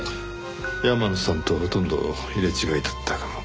山野さんとほとんど入れ違いだったかも。